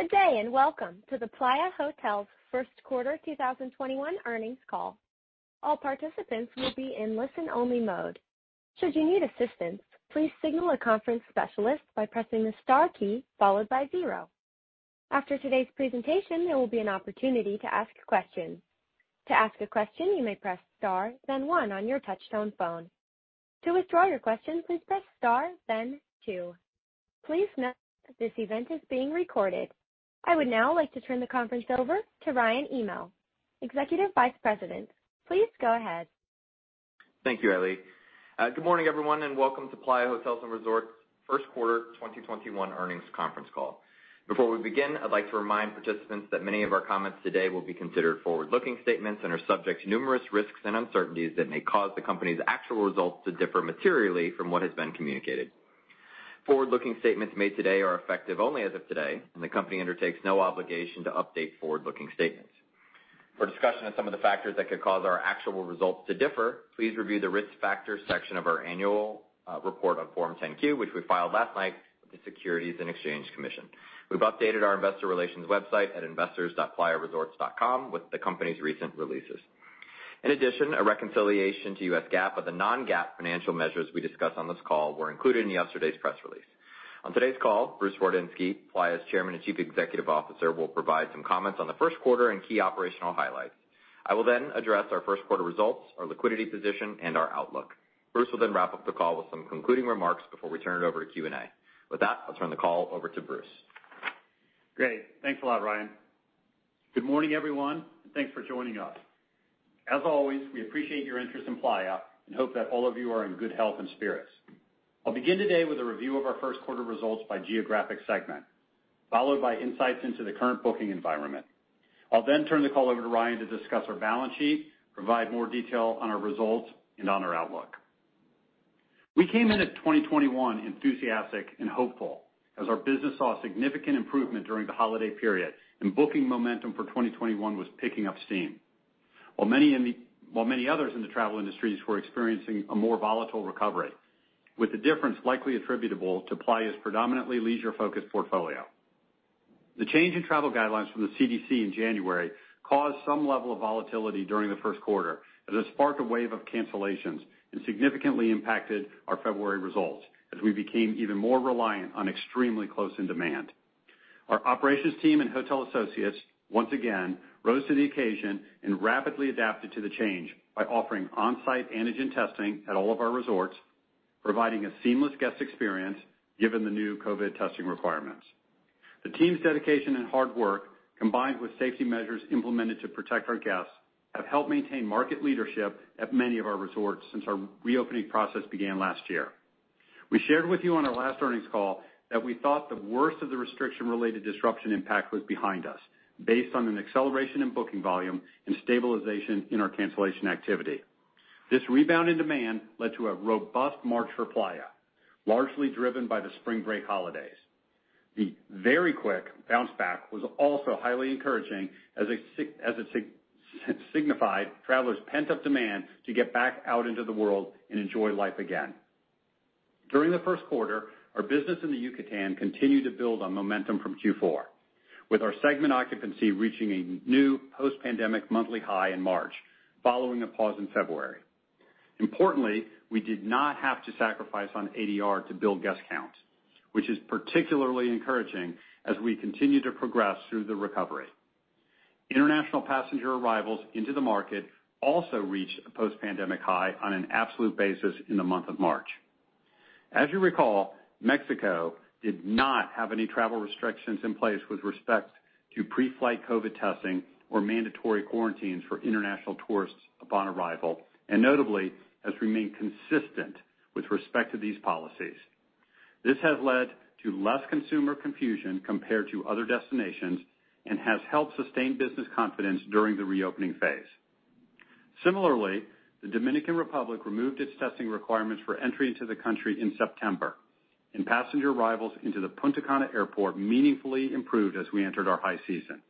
Good` day, and welcome to the Playa Hotels first quarter 2021 earnings call. All participants will be in listen only mode. Should you need assistance, please signal a conference specialist by pressing the star key followed by zero. After today's presentation, there will be an opportunity to ask questions. To ask a question, you may press star then one on your touch tone phone. To withdraw your question, please press star then two. Please note this event is being recorded. I would now like to turn the conference over to Ryan Hymel, executive vice president. Please go ahead. Thank you, Ellie. Good morning, everyone, and welcome to Playa Hotels & Resorts first quarter 2021 earnings conference call. Before we begin, I'd like to remind participants that many of our comments today will be considered forward-looking statements and are subject to numerous risks and uncertainties that may cause the company's actual results to differ materially from what has been communicated. Forward-looking statements made today are effective only as of today. The company undertakes no obligation to update forward-looking statements. For discussion of some of the factors that could cause our actual results to differ, please review the Risk Factors section of our Annual Report on Form 10-K, which we filed last night with the Securities and Exchange Commission. We've updated our investor relations website at investors.playaresorts.com with the company's recent releases. In addition, a reconciliation to U.S. GAAP of the non-GAAP financial measures we discuss on this call were included in yesterday's press release. On today's call, Bruce Wardinski, Playa's Chairman and Chief Executive Officer, will provide some comments on the first quarter and key operational highlights. I will then address our first quarter results, our liquidity position, and our outlook. Bruce will then wrap up the call with some concluding remarks before we turn it over to Q&A. With that, I'll turn the call over to Bruce. Great. Thanks a lot, Ryan. Good morning, everyone, and thanks for joining us. As always, we appreciate your interest in Playa and hope that all of you are in good health and spirits. I'll begin today with a review of our first quarter results by geographic segment, followed by insights into the current booking environment. I'll then turn the call over to Ryan to discuss our balance sheet, provide more detail on our results and on our outlook. We came in at 2021 enthusiastic and hopeful as our business saw a significant improvement during the holiday period and booking momentum for 2021 was picking up steam. Many others in the travel industries were experiencing a more volatile recovery, with the difference likely attributable to Playa's predominantly leisure focused portfolio. The change in travel guidelines from the CDC in January caused some level of volatility during the first quarter, as it sparked a wave of cancellations and significantly impacted our February results as we became even more reliant on extremely close in demand. Our operations team and hotel associates once again rose to the occasion and rapidly adapted to the change by offering on-site antigen testing at all of our resorts, providing a seamless guest experience given the new COVID testing requirements. The team's dedication and hard work, combined with safety measures implemented to protect our guests, have helped maintain market leadership at many of our resorts since our reopening process began last year. We shared with you on our last earnings call that we thought the worst of the restriction related disruption impact was behind us based on an acceleration in booking volume and stabilization in our cancellation activity. This rebound in demand led to a robust March for Playa, largely driven by the spring break holidays. The very quick bounce back was also highly encouraging as it signified travelers pent-up demand to get back out into the world and enjoy life again. During the first quarter, our business in the Yucatan continued to build on momentum from Q4, with our segment occupancy reaching a new post-pandemic monthly high in March, following a pause in February. Importantly, we did not have to sacrifice on ADR to build guest count, which is particularly encouraging as we continue to progress through the recovery. International passenger arrivals into the market also reached a post-pandemic high on an absolute basis in the month of March. As you recall, Mexico did not have any travel restrictions in place with respect to pre-flight COVID testing or mandatory quarantines for international tourists upon arrival, and notably has remained consistent with respect to these policies. This has led to less consumer confusion compared to other destinations and has helped sustain business confidence during the reopening phase. Similarly, the Dominican Republic removed its testing requirements for entry into the country in September, and passenger arrivals into the Punta Cana Airport meaningfully improved as we entered our high season.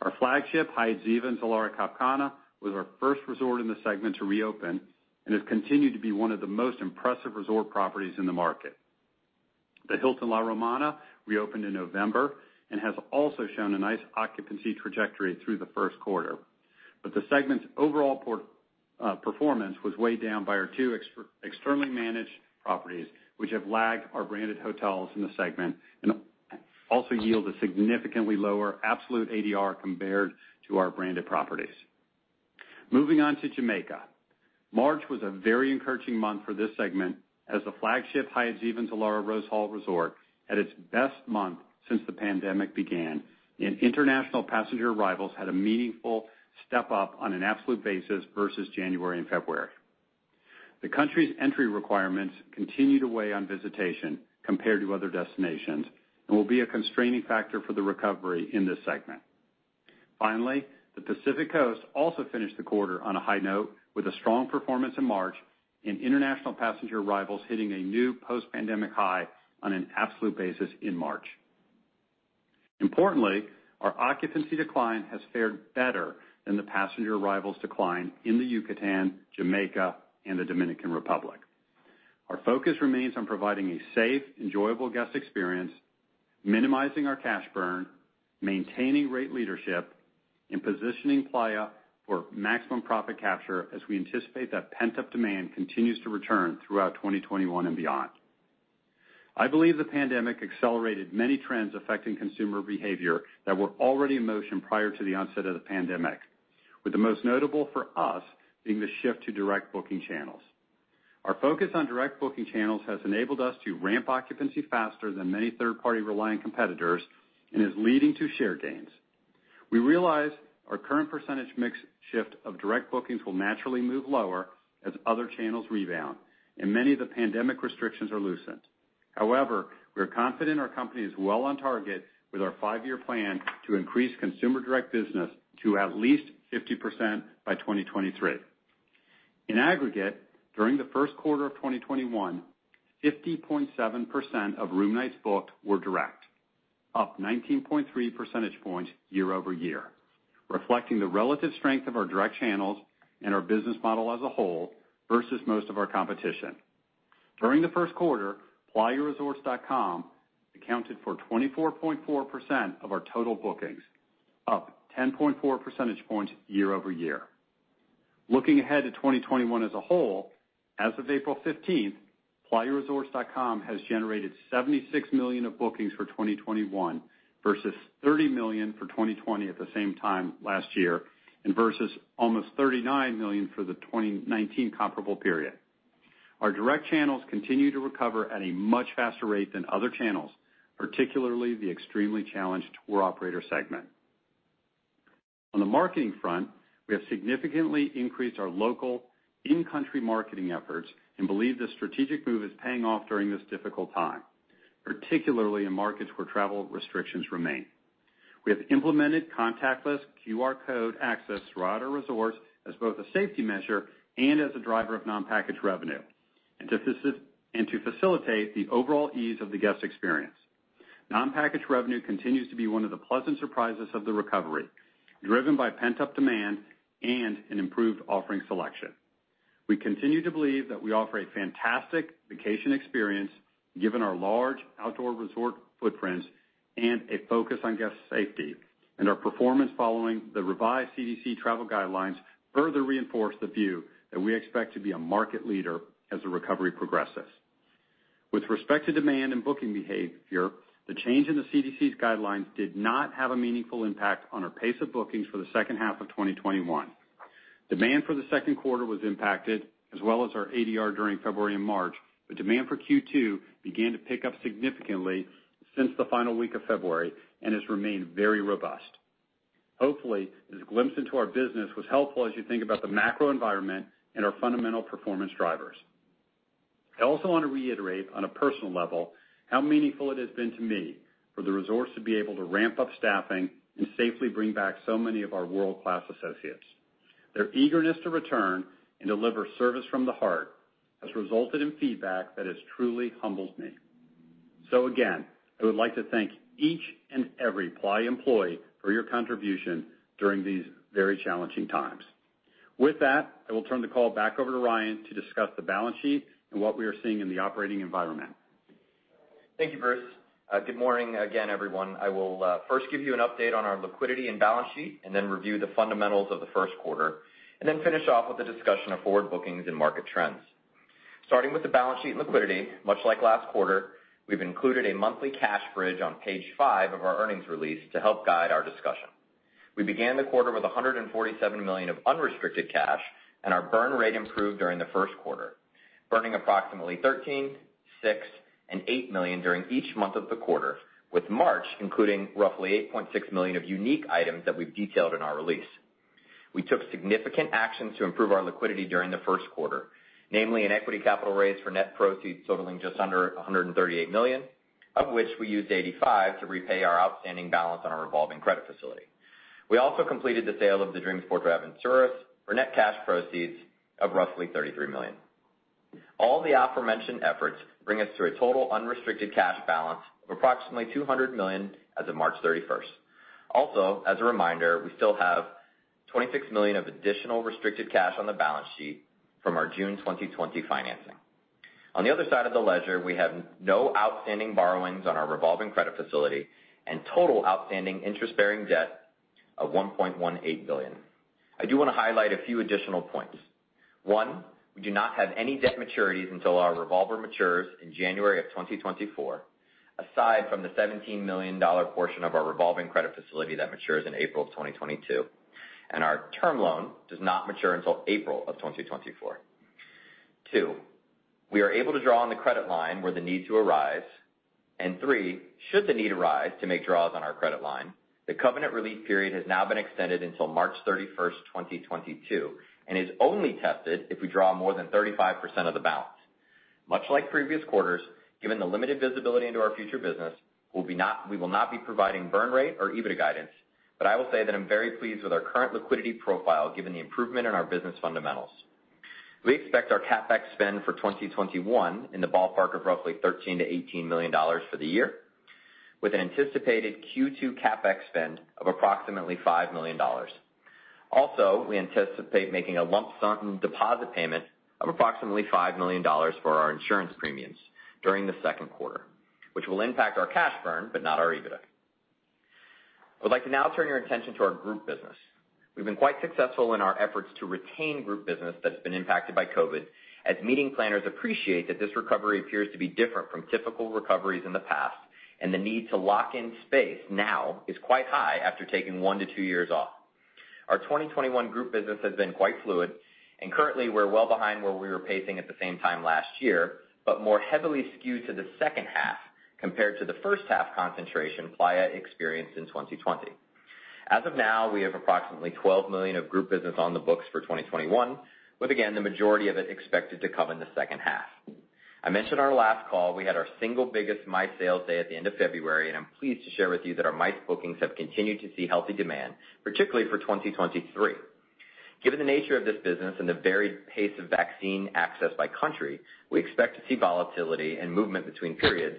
Our flagship Hyatt Ziva Zilara Cap Cana was our first resort in the segment to reopen and has continued to be one of the most impressive resort properties in the market. The Hilton La Romana reopened in November and has also shown a nice occupancy trajectory through the first quarter. The segment's overall performance was weighed down by our two externally managed properties, which have lagged our branded hotels in the segment and also yield a significantly lower absolute ADR compared to our branded properties. Moving on to Jamaica. March was a very encouraging month for this segment as the flagship Hyatt Ziva Zilara Rose Hall resort had its best month since the pandemic began, and international passenger arrivals had a meaningful step up on an absolute basis versus January and February. The country's entry requirements continue to weigh on visitation compared to other destinations and will be a constraining factor for the recovery in this segment. The Pacific Coast also finished the quarter on a high note with a strong performance in March and international passenger arrivals hitting a new post-pandemic high on an absolute basis in March. Importantly, our occupancy decline has fared better than the passenger arrivals decline in the Yucatan, Jamaica, and the Dominican Republic. Our focus remains on providing a safe, enjoyable guest experience, minimizing our cash burn, maintaining rate leadership, and positioning Playa for maximum profit capture as we anticipate that pent-up demand continues to return throughout 2021 and beyond. I believe the pandemic accelerated many trends affecting consumer behavior that were already in motion prior to the onset of the pandemic, with the most notable for us being the shift to direct booking channels. Our focus on direct booking channels has enabled us to ramp occupancy faster than many third-party reliant competitors and is leading to share gains. We realize our current percentage mix shift of direct bookings will naturally move lower as other channels rebound and many of the pandemic restrictions are loosened. We are confident our company is well on target with our five-year plan to increase consumer direct business to at least 50% by 2023. In aggregate, during the first quarter of 2021, 50.7% of room nights booked were direct, up 19.3 percentage points year-over-year, reflecting the relative strength of our direct channels and our business model as a whole versus most of our competition. During the first quarter, playaresorts.com accounted for 24.4% of our total bookings, up 10.4 percentage points year over year. Looking ahead to 2021 as a whole, as of April 15th, playaresorts.com has generated $76 million of bookings for 2021 versus $30 million for 2020 at the same time last year and versus almost $39 million for the 2019 comparable period. Our direct channels continue to recover at a much faster rate than other channels, particularly the extremely challenged tour operator segment. On the marketing front, we have significantly increased our local in-country marketing efforts and believe this strategic move is paying off during this difficult time, particularly in markets where travel restrictions remain. We have implemented contactless QR code access throughout our resorts as both a safety measure and as a driver of non-package revenue and to facilitate the overall ease of the guest experience. Non-package revenue continues to be one of the pleasant surprises of the recovery, driven by pent-up demand and an improved offering selection. We continue to believe that we offer a fantastic vacation experience given our large outdoor resort footprints and a focus on guest safety, and our performance following the revised CDC travel guidelines further reinforce the view that we expect to be a market leader as the recovery progresses. With respect to demand and booking behavior, the change in the CDC's guidelines did not have a meaningful impact on our pace of bookings for the second half of 2021. Demand for the second quarter was impacted, as well as our ADR during February and March, but demand for Q2 began to pick up significantly since the final week of February and has remained very robust. Hopefully, this glimpse into our business was helpful as you think about the macro environment and our fundamental performance drivers. I also want to reiterate on a personal level how meaningful it has been to me for the resorts to be able to ramp up staffing and safely bring back so many of our world-class associates. Their eagerness to return and deliver service from the heart has resulted in feedback that has truly humbled me. Again, I would like to thank each and every Playa employee for your contribution during these very challenging times. With that, I will turn the call back over to Ryan to discuss the balance sheet and what we are seeing in the operating environment. Thank you, Bruce. Good morning again, everyone. I will first give you an update on our liquidity and balance sheet, and then review the fundamentals of the first quarter, and then finish off with a discussion of forward bookings and market trends. Starting with the balance sheet and liquidity, much like last quarter, we've included a monthly cash bridge on page five of our earnings release to help guide our discussion. We began the quarter with $147 million of unrestricted cash, and our burn rate improved during the first quarter, burning approximately $13 million, six million, and eight million during each month of the quarter, with March including roughly $8.6 million of unique items that we've detailed in our release. We took significant action to improve our liquidity during the first quarter, namely an equity capital raise for net proceeds totaling just under $138 million, of which we used $85 to repay our outstanding balance on our revolving credit facility. We also completed the sale of the Dreams Fortaleza in Ceará for net cash proceeds of roughly $33 million. All the after mentioned efforts bring us to a total unrestricted cash balance of approximately $200 million as of March 31st. Also, as a reminder, we still have $26 million of additional restricted cash on the balance sheet from our June 2020 financing. On the other side of the ledger, we have no outstanding borrowings on our revolving credit facility and total outstanding interest-bearing debt of $1.18 billion. I do want to highlight a few additional points. One, we do not have any debt maturities until our revolver matures in January of 2024, aside from the $17 million portion of our revolving credit facility that matures in April of 2022. Our term loan does not mature until April of 2024. Two, we are able to draw on the credit line were the need to arise. Three, should the need arise to make draws on our credit line, the covenant relief period has now been extended until March 31st, 2022, and is only tested if we draw more than 35% of the balance. Much like previous quarters, given the limited visibility into our future business, we will not be providing burn rate or EBITDA guidance, I will say that I'm very pleased with our current liquidity profile given the improvement in our business fundamentals. We expect our CapEx spend for 2021 in the ballpark of roughly $13 million-$18 million for the year. With anticipated Q2 CapEx spend of approximately $5 million. Also, we anticipate making a lump sum deposit payment of approximately $5 million for our insurance premiums during the second quarter, which will impact our cash burn, but not our EBITDA. I would like to now turn your attention to our group business. We've been quite successful in our efforts to retain group business that's been impacted by COVID, as meeting planners appreciate that this recovery appears to be different from typical recoveries in the past, and the need to lock in space now is quite high after taking one to two years off. Our 2021 group business has been quite fluid, and currently we're well behind where we were pacing at the same time last year, but more heavily skewed to the second half compared to the first half concentration Playa experienced in 2020. As of now, we have approximately $12 million of group business on the books for 2021, with again, the majority of it expected to come in the second half. I mentioned our last call, we had our single biggest MICE sales day at the end of February, and I'm pleased to share with you that our MICE bookings have continued to see healthy demand, particularly for 2023. Given the nature of this business and the varied pace of vaccine access by country, we expect to see volatility and movement between periods,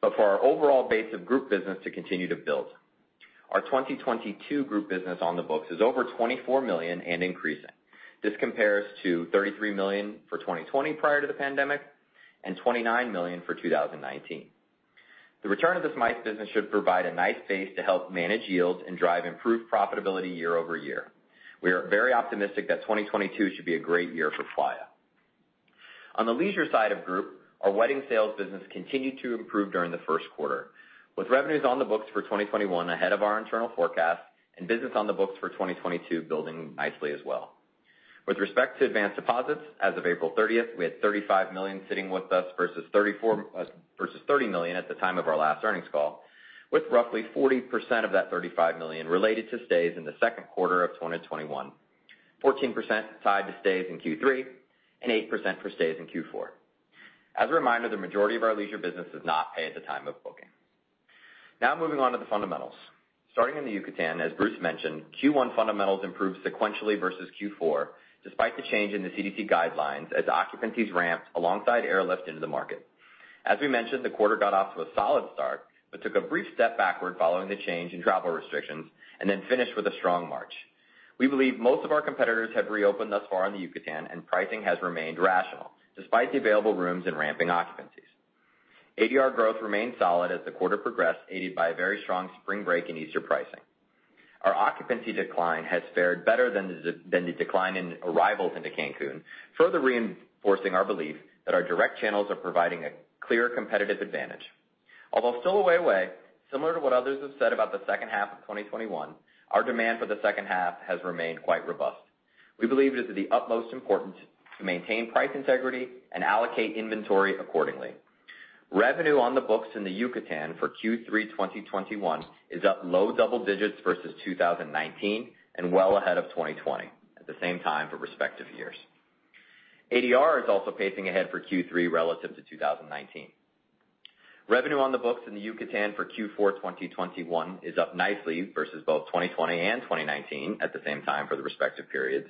but for our overall base of group business to continue to build. Our 2022 group business on the books is over $24 million and increasing. This compares to $33 million for 2020 prior to the pandemic, and $29 million for 2019. The return of this MICE business should provide a nice base to help manage yields and drive improved profitability year-over-year. We are very optimistic that 2022 should be a great year for Playa. On the leisure side of group, our wedding sales business continued to improve during the first quarter, with revenues on the books for 2021 ahead of our internal forecast and business on the books for 2022 building nicely as well. With respect to advanced deposits, as of April 30th, we had $35 million sitting with us versus $30 million at the time of our last earnings call, with roughly 40% of that $35 million related to stays in the second quarter of 2021, 14% tied to stays in Q3, and 8% for stays in Q4. As a reminder, the majority of our leisure business does not pay at the time of booking. Now moving on to the fundamentals. Starting in the Yucatan, as Bruce mentioned, Q1 fundamentals improved sequentially versus Q4, despite the change in the CDC guidelines as occupancies ramped alongside airlift into the market. As we mentioned, the quarter got off to a solid start, but took a brief step backward following the change in travel restrictions, and then finished with a strong March. We believe most of our competitors have reopened thus far in the Yucatan, and pricing has remained rational despite the available rooms and ramping occupancies. ADR growth remained solid as the quarter progressed, aided by a very strong spring break in Easter pricing. Our occupancy decline has fared better than the decline in arrivals into Cancun, further reinforcing our belief that our direct channels are providing a clear competitive advantage. Although still a way away, similar to what others have said about the second half of 2021, our demand for the second half has remained quite robust. We believe it is of the utmost importance to maintain price integrity and allocate inventory accordingly. Revenue on the books in the Yucatan for Q3 2021 is up low double-digits versus 2019, and well ahead of 2020 at the same time for respective years. ADR is also pacing ahead for Q3 relative to 2019. Revenue on the books in the Yucatan for Q4 2021 is up nicely versus both 2020 and 2019 at the same time for the respective periods.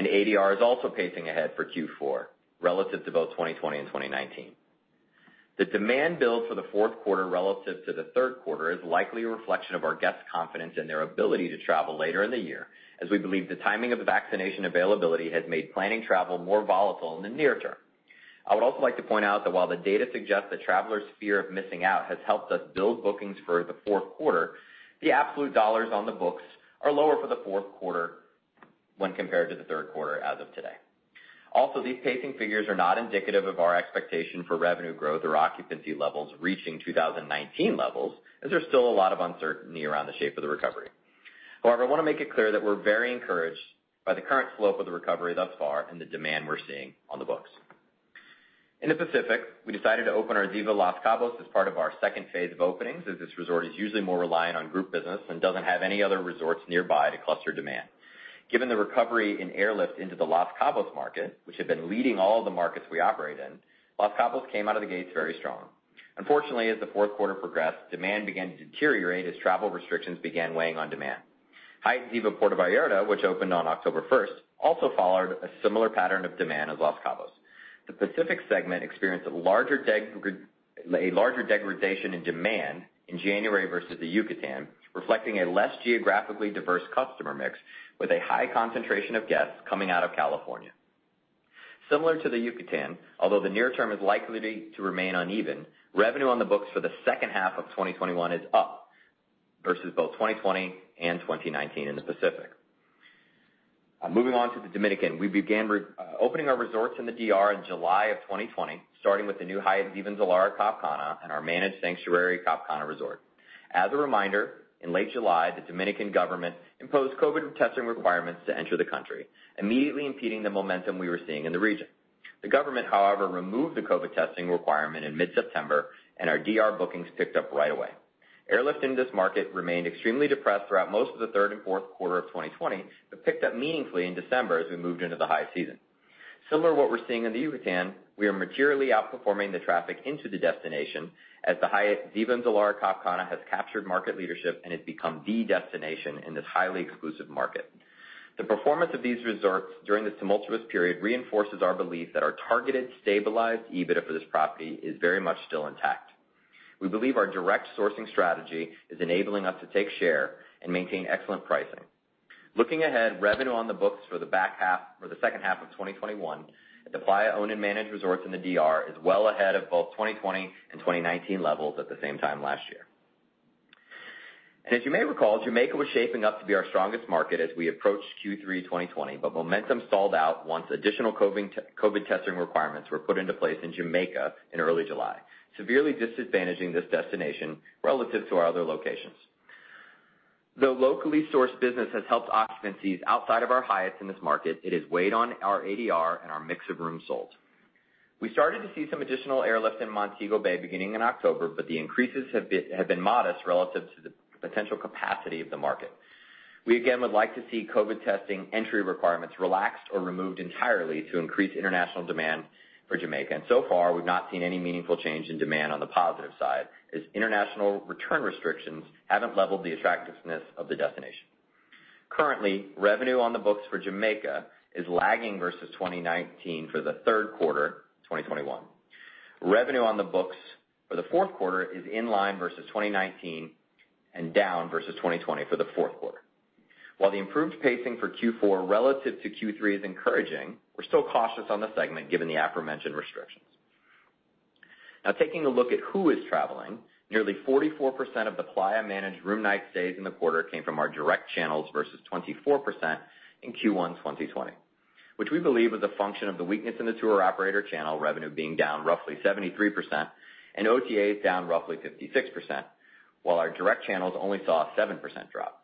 ADR is also pacing ahead for Q4, relative to both 2020 and 2019. The demand build for the fourth quarter relative to the third quarter is likely a reflection of our guests' confidence in their ability to travel later in the year, as we believe the timing of the vaccination availability has made planning travel more volatile in the near-term. I would also like to point out that while the data suggests the travelers' fear of missing out has helped us build bookings for the fourth quarter, the absolute dollars on the books are lower for the fourth quarter when compared to the third quarter as of today. Also, these pacing figures are not indicative of our expectation for revenue growth or occupancy levels reaching 2019 levels as there's still a lot of uncertainty around the shape of the recovery. However, I want to make it clear that we're very encouraged by the current slope of the recovery thus far and the demand we're seeing on the books. In the Pacific, we decided to open our Ziva Los Cabos as part of our second phase of openings, as this resort is usually more reliant on group business and doesn't have any other resorts nearby to cluster demand. Given the recovery in airlift into the Los Cabos market, which had been leading all of the markets we operate in, Los Cabos came out of the gates very strong. Unfortunately, as the fourth quarter progressed, demand began to deteriorate as travel restrictions began weighing on demand. Hyatt Ziva Puerto Vallarta, which opened on October 1st, also followed a similar pattern of demand as Los Cabos. The Pacific segment experienced a larger degradation in demand in January versus the Yucatan, reflecting a less geographically diverse customer mix with a high concentration of guests coming out of California. Similar to the Yucatan, although the near term is likely to remain uneven, revenue on the books for the second half of 2021 is up versus both 2020 and 2019 in the Pacific. Moving on to the Dominican, we began opening our resorts in the D.R. in July of 2020, starting with the new Hyatt Ziva Zilara Cap Cana and our managed Sanctuary Cap Cana resort. As a reminder, in late July, the Dominican government imposed COVID testing requirements to enter the country, immediately impeding the momentum we were seeing in the region. The government, however, removed the COVID testing requirement in mid-September, and our D.R. bookings picked up right away. Airlift into this market remained extremely depressed throughout most of the third and fourth quarter of 2020, but picked up meaningfully in December as we moved into the high season. Similar to what we're seeing in the Yucatan, we are materially outperforming the traffic into the destination as the Hyatt Ziva Zilara Cap Cana has captured market leadership and has become the destination in this highly exclusive market. The performance of these resorts during this tumultuous period reinforces our belief that our targeted stabilized EBITDA for this property is very much still intact. We believe our direct sourcing strategy is enabling us to take share and maintain excellent pricing. Looking ahead, revenue on the books for the second half of 2021 at the Playa owned and managed resorts in the D.R. is well ahead of both 2020 and 2019 levels at the same time last year. As you may recall, Jamaica was shaping up to be our strongest market as we approached Q3 2020, momentum stalled out once additional COVID testing requirements were put into place in Jamaica in early July, severely disadvantaging this destination relative to our other locations. Though locally sourced business has helped occupancies outside of our Hyatts in this market, it has weighed on our ADR and our mix of room sold. We started to see some additional airlift in Montego Bay beginning in October, the increases have been modest relative to the potential capacity of the market. We again would like to see COVID testing entry requirements relaxed or removed entirely to increase international demand for Jamaica. So far, we've not seen any meaningful change in demand on the positive side, as international return restrictions haven't leveled the attractiveness of the destination. Currently, revenue on the books for Jamaica is lagging versus 2019 for the third quarter 2021. Revenue on the books for the fourth quarter is in line versus 2019 and down versus 2020 for the fourth quarter. While the improved pacing for Q4 relative to Q3 is encouraging, we're still cautious on the segment given the aforementioned restrictions. Now taking a look at who is traveling, nearly 44% of the Playa managed room night stays in the quarter came from our direct channels versus 24% in Q1 2020. Which we believe is a function of the weakness in the tour operator channel revenue being down roughly 73% and OTAs down roughly 56%, while our direct channels only saw a 7% drop.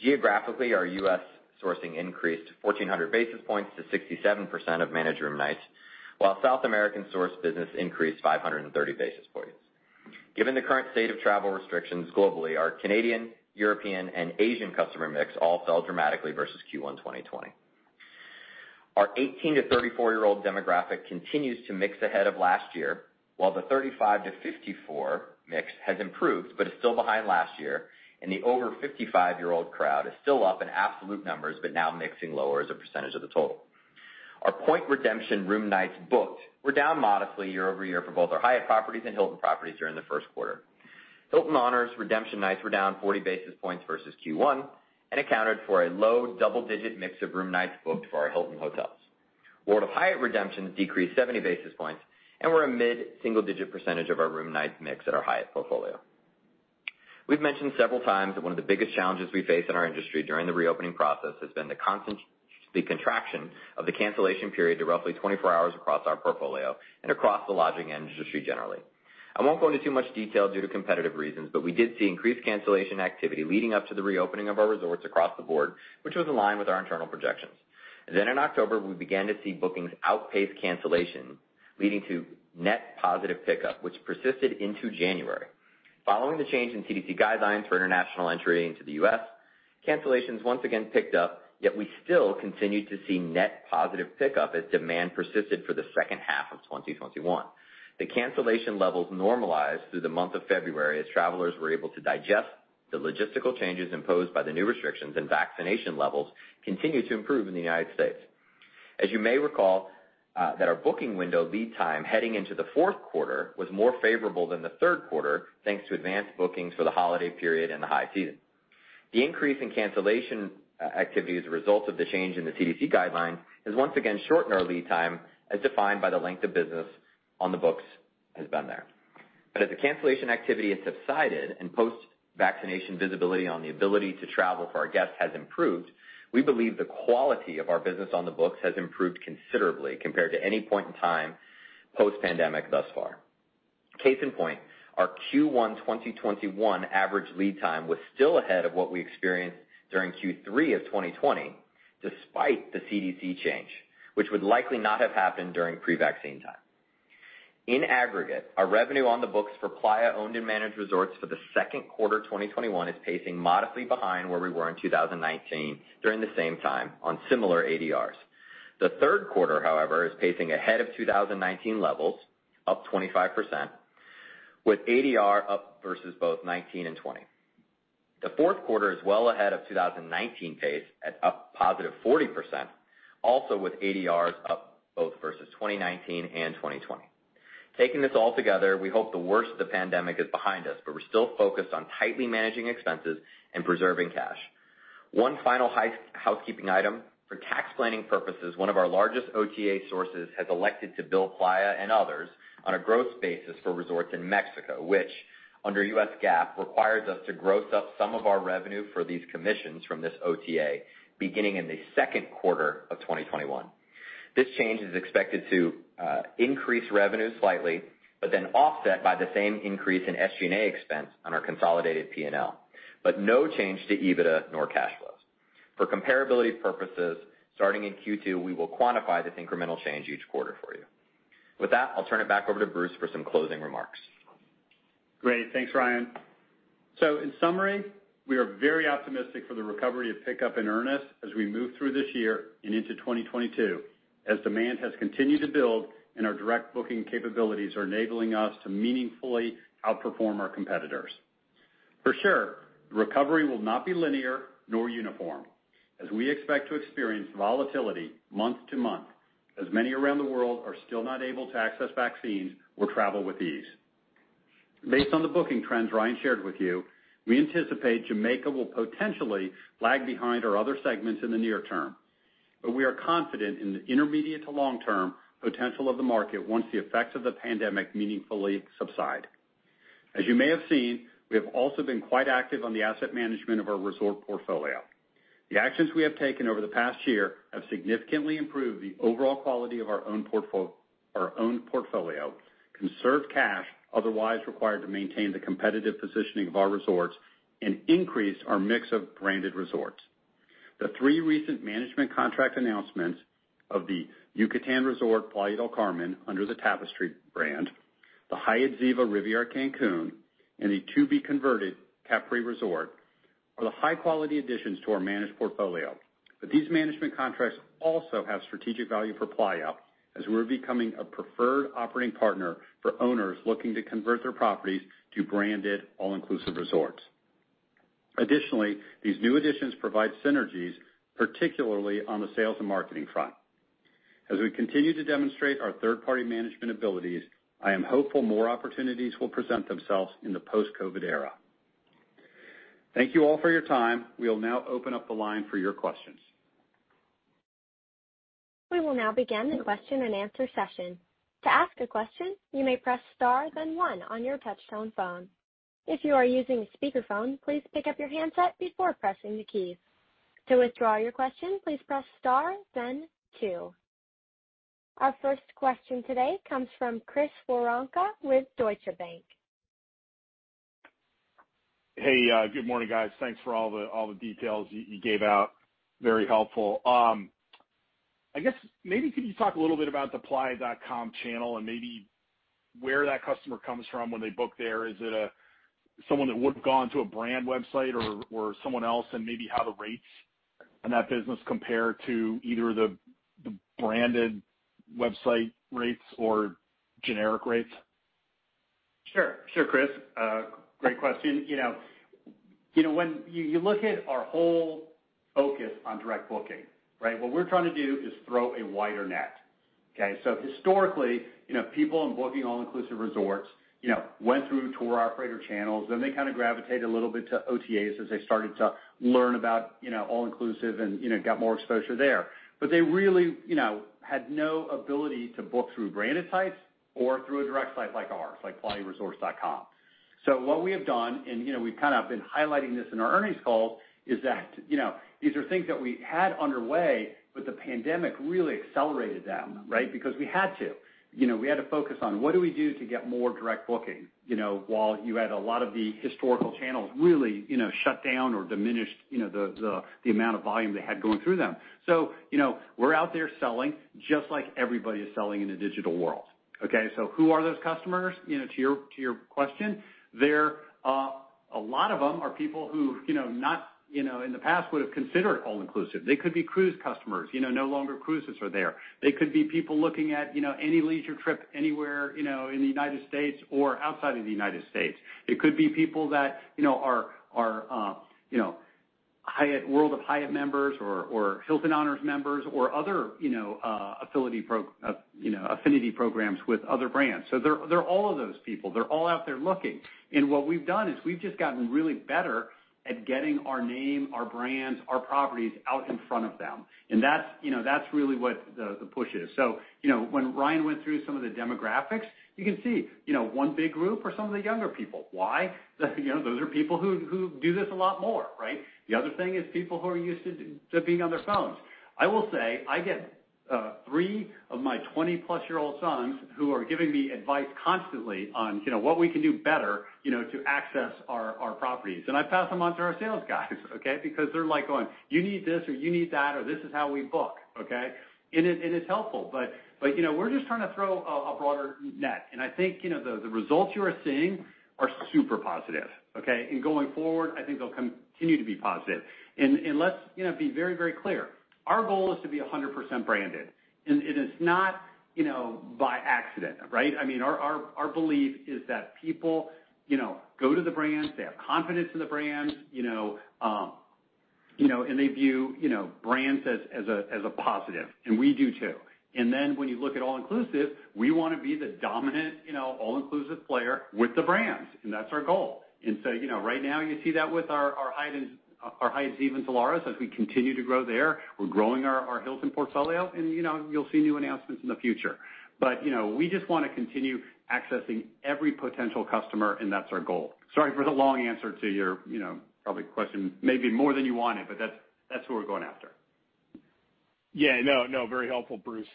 Geographically, our U.S. sourcing increased 1,400 basis points to 67% of managed room nights, while South American sourced business increased 530 basis points. Given the current state of travel restrictions globally, our Canadian, European, and Asian customer mix all fell dramatically versus Q1 2020. Our 18-34-year-old demographic continues to mix ahead of last year, while the 35-54 mix has improved but is still behind last year, and the over 55-year-old crowd is still up in absolute numbers, but now mixing lower as a percentage of the total. Our point redemption room nights booked were down modestly year-over-year for both our Hyatt properties and Hilton properties during the first quarter. Hilton Honors redemption nights were down 40 basis points versus Q1 and accounted for a low double-digit mix of room nights booked for our Hilton hotels. World of Hyatt redemptions decreased 70 basis points and were a mid-single digit percentage of our room nights mix at our Hyatt portfolio. We've mentioned several times that one of the biggest challenges we face in our industry during the reopening process has been the contraction of the cancellation period to roughly 24 hours across our portfolio and across the lodging industry generally. I won't go into too much detail due to competitive reasons, but we did see increased cancellation activity leading up to the reopening of our resorts across the board, which was in line with our internal projections. In October, we began to see bookings outpace cancellation, leading to net positive pickup, which persisted into January. Following the change in CDC guidelines for international entry into the U.S., cancellations once again picked up, yet we still continued to see net positive pickup as demand persisted for the second half of 2021. The cancellation levels normalized through the month of February as travelers were able to digest the logistical changes imposed by the new restrictions and vaccination levels continued to improve in the United States. As you may recall, that our booking window lead time heading into the fourth quarter was more favorable than the third quarter, thanks to advanced bookings for the holiday period and the high season. The increase in cancellation activity as a result of the change in the CDC guideline has once again shortened our lead time as defined by the length of business on the books. As the cancellation activity has subsided and post-vaccination visibility on the ability to travel for our guests has improved, we believe the quality of our business on the books has improved considerably compared to any point in time post-pandemic thus far. Case in point, our Q1 2021 average lead time was still ahead of what we experienced during Q3 of 2020, despite the CDC change, which would likely not have happened during pre-vaccine time. In aggregate, our revenue on the books for Playa owned and managed resorts for the second quarter 2021 is pacing modestly behind where we were in 2019 during the same time on similar ADRs. The third quarter, however, is pacing ahead of 2019 levels, up 25%, with ADR up versus both 2019 and 2020. The fourth quarter is well ahead of 2019 pace at up +40%, also with ADRs up both versus 2019 and 2020. Taking this all together, we hope the worst of the pandemic is behind us, but we're still focused on tightly managing expenses and preserving cash. One final housekeeping item. For tax planning purposes, one of our largest OTA sources has elected to bill Playa and others on a gross basis for resorts in Mexico, which under U.S. GAAP, requires us to gross up some of our revenue for these commissions from this OTA beginning in the second quarter of 2021. This change is expected to increase revenue slightly, but then offset by the same increase in SG&A expense on our consolidated P&L, but no change to EBITDA nor cash flows. For comparability purposes, starting in Q2, we will quantify this incremental change each quarter for you. With that, I'll turn it back over to Bruce for some closing remarks. Great. Thanks, Ryan. In summary, we are very optimistic for the recovery of pickup in earnest as we move through this year and into 2022, as demand has continued to build and our direct booking capabilities are enabling us to meaningfully outperform our competitors. For sure, recovery will not be linear nor uniform, as we expect to experience volatility month-to-month, as many around the world are still not able to access vaccines or travel with ease. Based on the booking trends Ryan shared with you, we anticipate Jamaica will potentially lag behind our other segments in the near-term. We are confident in the intermediate to long-term potential of the market once the effects of the pandemic meaningfully subside. As you may have seen, we have also been quite active on the asset management of our resort portfolio. The actions we have taken over the past year have significantly improved the overall quality of our own portfolio, conserved cash otherwise required to maintain the competitive positioning of our resorts, and increased our mix of branded resorts. The three recent management contract announcements of The Yucatan Resort Playa del Carmen under the Tapestry brand, the Hyatt Ziva Riviera Cancun, and the to-be converted Capri Hotel, are the high-quality additions to our managed portfolio. These management contracts also have strategic value for Playa, as we're becoming a preferred operating partner for owners looking to convert their properties to branded all-inclusive resorts. Additionally, these new additions provide synergies, particularly on the sales and marketing front. As we continue to demonstrate our third-party management abilities, I am hopeful more opportunities will present themselves in the post-COVID era. Thank you all for your time. We'll now open up the line for your questions. We will now begin the question-and-answer session. To ask a question, you may press star then one on your touchtone phone. If you are using a speakerphone, please pick up your handset before pressing the key. To withdraw your question, please press star then two. Our first question today comes from Chris Woronka with Deutsche Bank. Hey, good morning, guys. Thanks for all the details you gave out. Very helpful. I guess maybe could you talk a little bit about the playa.com channel and maybe where that customer comes from when they book there. Is it someone that would've gone to a brand website or someone else, and maybe how the rates in that business compare to either the branded website rates or generic rates? Sure, Chris. Great question. When you look at our whole focus on direct booking, right, what we're trying to do is throw a wider net. Okay? Historically, people in booking all-inclusive resorts went through tour operator channels, then they kind of gravitated a little bit to OTAs as they started to learn about all-inclusive and got more exposure there. They really had no ability to book through branded sites or through a direct site like ours, like playaresorts.com. What we have done, and we've kind of been highlighting this in our earnings calls, is that these are things that we had underway, but the pandemic really accelerated them, right? Because we had to. We had to focus on what do we do to get more direct booking while you had a lot of the historical channels really shut down or diminished the amount of volume they had going through them. We're out there selling just like everybody is selling in a digital world. Okay? Who are those customers? To your question, a lot of them are people who in the past would've considered all-inclusive. They could be cruise customers. No longer cruises are there. They could be people looking at any leisure trip anywhere in the U.S. or outside of the U.S. It could be people that are World of Hyatt members or Hilton Honors members or other affinity programs with other brands. They're all of those people. They're all out there looking. What we've done is we've just gotten really better at getting our name, our brands, our properties out in front of them. That's really what the push is. When Ryan went through some of the demographics, you can see one big group are some of the younger people. Why? Those are people who do this a lot more, right? The other thing is people who are used to being on their phones. I will say, I get three of my 20-plus-year-old sons who are giving me advice constantly on what we can do better to access our properties. I pass them on to our sales guys, okay? Because they're going, You need this," or, You need that, or, "This is how we book. Okay? It's helpful. We're just trying to throw a broader net, and I think the results you are seeing are super positive, okay? Going forward, I think they'll continue to be positive. Let's be very clear, our goal is to be 100% branded. It is not by accident, right? Our belief is that people go to the brands, they have confidence in the brands, and they view brands as a positive. We do, too. When you look at all-inclusive, we want to be the dominant all-inclusive player with the brands, and that's our goal. Right now you see that with our Hyatt Ziva and Zilara as we continue to grow there. We're growing our Hilton portfolio, and you'll see new announcements in the future. We just want to continue accessing every potential customer, and that's our goal. Sorry for the long answer to your probably question maybe more than you wanted, but that's who we're going after. Yeah. No. Very helpful, Bruce.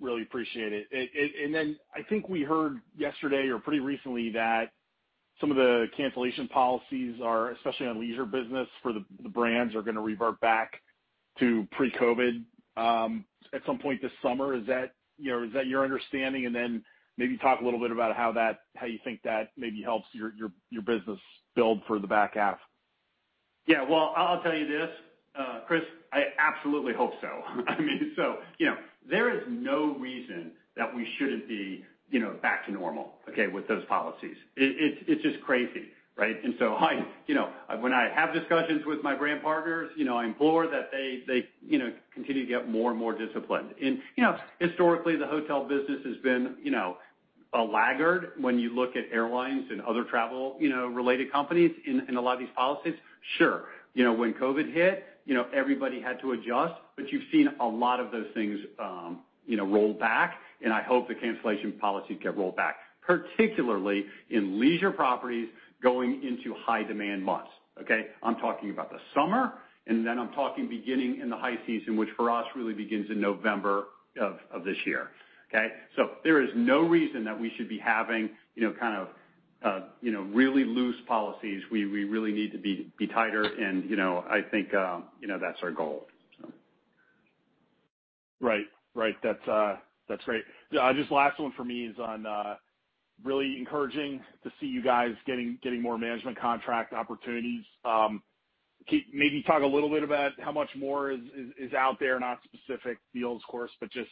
Really appreciate it. I think we heard yesterday or pretty recently that some of the cancellation policies are, especially on leisure business for the brands, are going to revert back to pre-COVID at some point this summer. Is that your understanding? maybe talk a little bit about how you think that maybe helps your business build for the back half. Yeah. Well, I'll tell you this, Chris, I absolutely hope so. There is no reason that we shouldn't be back to normal with those policies. It's just crazy, right? When I have discussions with my brand partners, I implore that they continue to get more and more disciplined. Historically, the hotel business has been a laggard when you look at airlines and other travel related companies in a lot of these policies. Sure, when COVID hit everybody had to adjust, but you've seen a lot of those things roll back, and I hope the cancellation policies get rolled back, particularly in leisure properties going into high demand months, okay? I'm talking about the summer, and then I'm talking beginning in the high season, which for us really begins in November of this year. Okay? There is no reason that we should be having really loose policies. We really need to be tighter and I think that's our goal. Right. That's great. Just last one for me is on really encouraging to see you guys getting more management contract opportunities. Maybe talk a little bit about how much more is out there, not specific deals of course, but just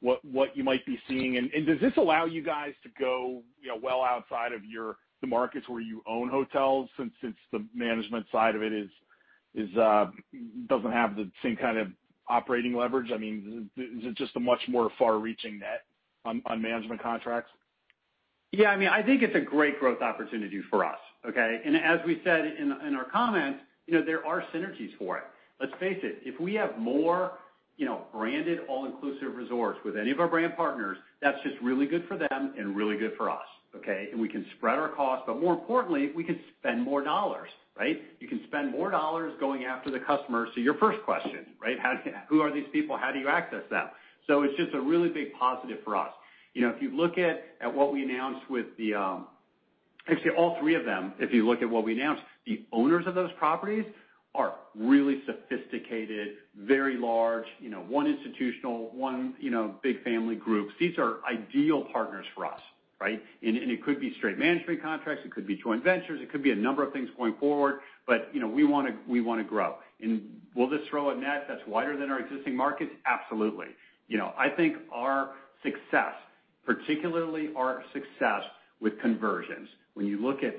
what you might be seeing and does this allow you guys to go well outside of the markets where you own hotels since the management side of it doesn't have the same kind of operating leverage? Is it just a much more far-reaching net on management contracts? Yeah, I think it's a great growth opportunity for us, okay? As we said in our comments, there are synergies for it. Let's face it, if we have more branded all-inclusive resorts with any of our brand partners, that's just really good for them and really good for us, okay? We can spread our costs, but more importantly, we can spend more dollars, right? You can spend more dollars going after the customer. Your first question, right? Who are these people? How do you access them? It's just a really big positive for us. If you look at what we announced with actually all three of them, if you look at what we announced, the owners of those properties are really sophisticated, very large, one institutional, one big family groups. These are ideal partners for us, right? It could be straight management contracts, it could be joint ventures, it could be a number of things going forward. We want to grow. Will this throw a net that's wider than our existing markets? Absolutely. I think our success, particularly our success with conversions, when you look at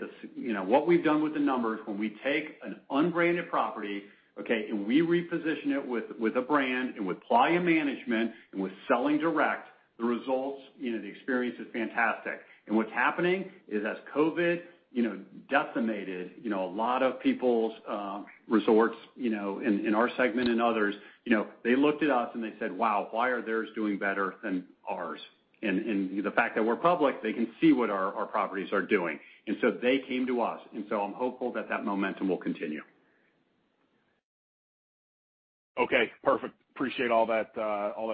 what we've done with the numbers, when we take an unbranded property, okay, and we reposition it with a brand and with Playa management and with selling direct, the results, the experience is fantastic. What's happening is as COVID decimated a lot of people's resorts in our segment and others, they looked at us and they said, Wow, why are theirs doing better than ours? The fact that we're public, they can see what our properties are doing. They came to us. I'm hopeful that that momentum will continue. Okay, perfect. Appreciate all that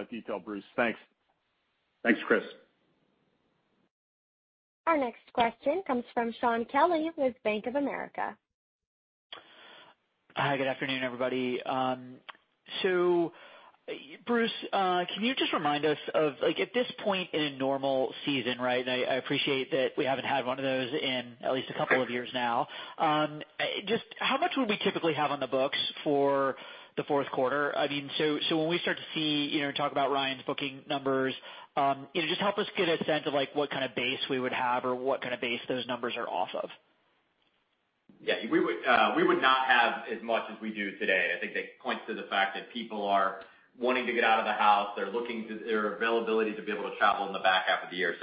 detail, Bruce. Thanks. Thanks, Chris. Our next question comes from Shaun Kelley with Bank of America. Hi, good afternoon, everybody. Bruce, can you just remind us of, at this point in a normal season, right? I appreciate that we haven't had one of those in at least a couple of years now. Just how much would we typically have on the books for the fourth quarter? When we start to see and talk about Ryan's booking numbers, just help us get a sense of what kind of base we would have or what kind of base those numbers are off of. Yeah, we would not have as much as we do today. I think that points to the fact that people are wanting to get out of the house. They're looking to their availability to be able to travel in the back half of the year.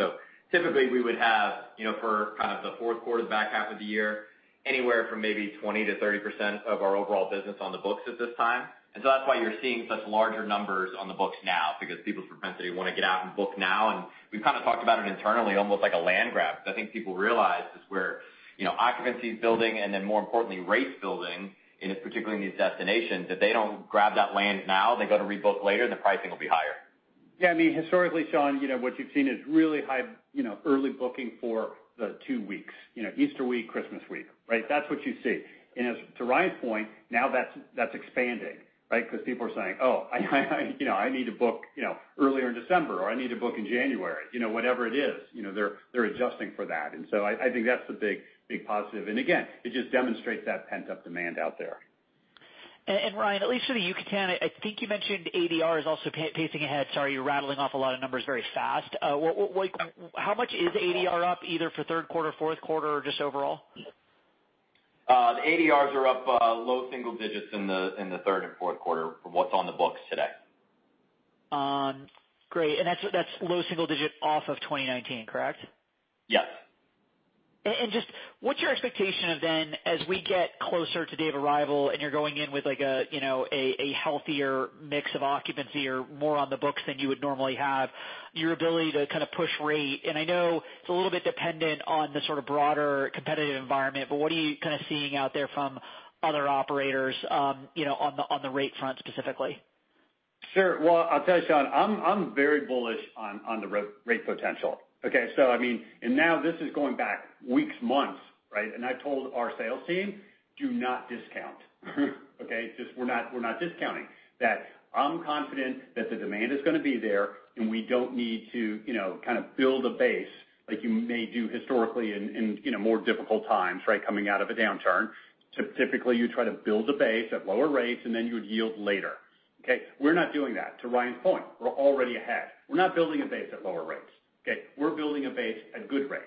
Typically we would have for kind of the fourth quarter, the back half of the year, anywhere from maybe 20%-30% of our overall business on the books at this time. That's why you're seeing such larger numbers on the books now, because people's propensity want to get out and book now. We've kind of talked about it internally, almost like a land grab, because I think people realize is where occupancy is building and then more importantly, rates building, and it's particularly in these destinations. If they don't grab that land now, they go to rebook later, the pricing will be higher. Yeah. Historically, Shaun, what you've seen is really high early booking for the two weeks, Easter week, Christmas week, right? That's what you see. As to Ryan's point, now that's expanding, right? Because people are saying, Oh, I need to book earlier in December, or, I need to book in January. Whatever it is, they're adjusting for that. I think that's the big positive. Again, it just demonstrates that pent up demand out there. Ryan, at least for The Yucatan, I think you mentioned ADR is also pacing ahead. Sorry, you're rattling off a lot of numbers very fast. How much is ADR up either for third quarter, fourth quarter or just overall? The ADRs are up low single digits in the third and fourth quarter from what's on the books today. Great. That's low single digit off of 2019, correct? Yes. Just what's your expectation of then as we get closer to date of arrival and you're going in with a healthier mix of occupancy or more on the books than you would normally have, your ability to kind of push rate. I know it's a little bit dependent on the sort of broader competitive environment, but what are you kind of seeing out there from other operators on the rate front specifically? Sure. Well, I'll tell you, Shaun, I'm very bullish on the rate potential. Okay. Now this is going back weeks, months, right. I told our sales team, Do not discount. Okay. We're not discounting that. I'm confident that the demand is going to be there, and we don't need to build a base like you may do historically in more difficult times, coming out of a downturn. Typically, you try to build a base at lower rates, and then you would yield later. Okay. We're not doing that. To Ryan's point, we're already ahead. We're not building a base at lower rates. Okay. We're building a base at good rates.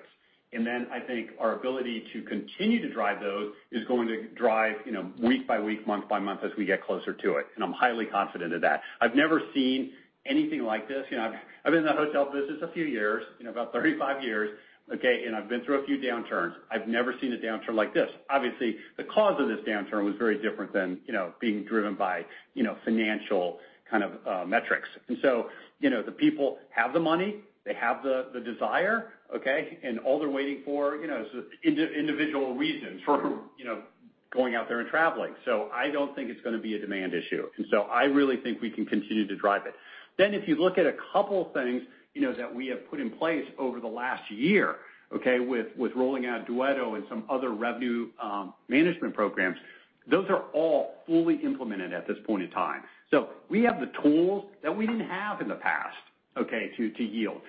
Then I think our ability to continue to drive those is going to drive week by week, month by month as we get closer to it, and I'm highly confident of that. I've never seen anything like this. I've been in the hotel business a few years, about 35 years, okay, and I've been through a few downturns. I've never seen a downturn like this. Obviously, the cause of this downturn was very different than being driven by financial kind of metrics. The people have the money, they have the desire, okay? All they're waiting for is individual reasons for going out there and traveling. I don't think it's going to be a demand issue. I really think we can continue to drive it. If you look at a couple things that we have put in place over the last year, okay, with rolling out Duetto and some other revenue management programs, those are all fully implemented at this point in time. We have the tools that we didn't have in the past to yield.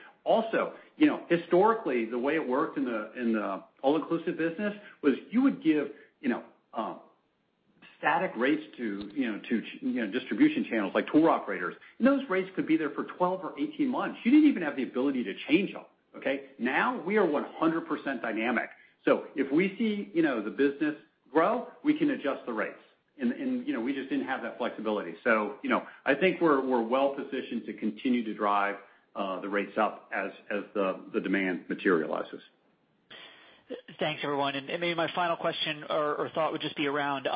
Historically, the way it worked in the all-inclusive business was you would give static rates to distribution channels like tour operators, and those rates could be there for 12 or 18 months. You didn't even have the ability to change them, okay? Now, we are 100% dynamic. If we see the business grow, we can adjust the rates. We just didn't have that flexibility. I think we're well positioned to continue to drive the rates up as the demand materializes. Thanks, everyone. Maybe my final question or thought would just be around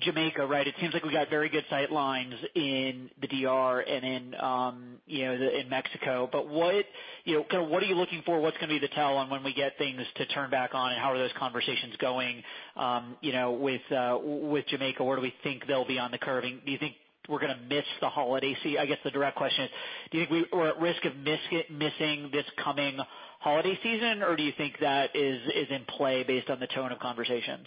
Jamaica, right? It seems like we got very good sight lines in the D.R. and in Mexico, what are you looking for? What's going to be the tell on when we get things to turn back on, how are those conversations going with Jamaica? Where do we think they'll be on the curving? I guess the direct question is, do you think we are at risk of missing this coming holiday season, do you think that is in play based on the tone of conversations?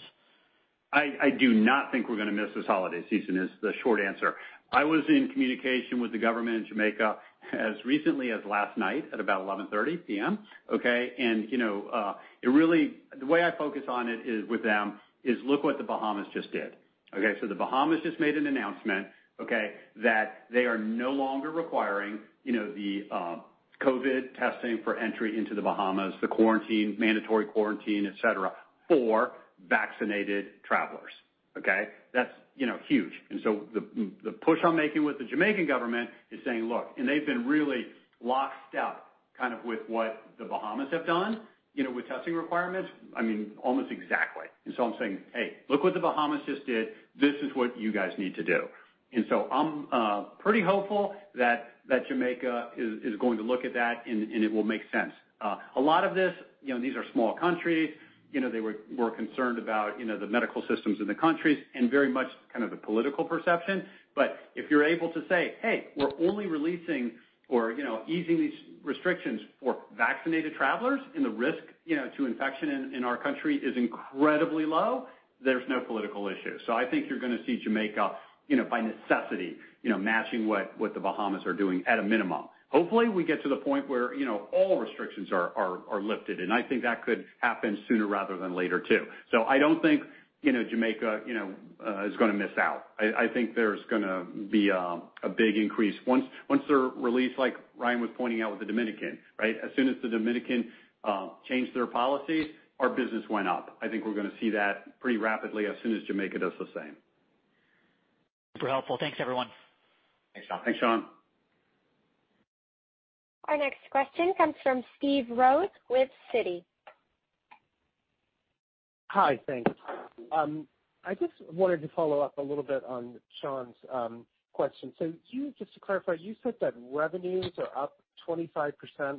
I do not think we're going to miss this holiday season, is the short answer. I was in communication with the government in Jamaica as recently as last night at about 11:30 P.M., okay? The way I focus on it with them is look what the Bahamas just did. Okay? The Bahamas just made an announcement, okay, that they are no longer requiring the COVID testing for entry into the Bahamas, the mandatory quarantine, et cetera, for vaccinated travelers. Okay? That's huge. The push I'm making with the Jamaican government is saying, look, and they've been really locked out with what the Bahamas have done with testing requirements. Almost exactly. I'm saying, Hey, look what the Bahamas just did. This is what you guys need to do. I'm pretty hopeful that Jamaica is going to look at that and it will make sense. A lot of these are small countries. They were more concerned about the medical systems in the countries and very much kind of the political perception. If you're able to say, Hey, we're only releasing or easing these restrictions for vaccinated travelers, and the risk to infection in our country is incredibly low, there's no political issue. I think you're going to see Jamaica, by necessity, matching what the Bahamas are doing at a minimum. Hopefully, we get to the point where all restrictions are lifted, and I think that could happen sooner rather than later, too. I don't think Jamaica is going to miss out. I think there's going to be a big increase once they're released, like Ryan was pointing out with the Dominican, right? As soon as the Dominican changed their policy, our business went up. I think we're going to see that pretty rapidly as soon as Jamaica does the same. Super helpful. Thanks, everyone. Thanks, Shaun. Our next question comes from Smedes Rose with Citi. Hi. Thanks. I just wanted to follow up a little bit on Shaun's question. Just to clarify, you said that revenues are up 25%,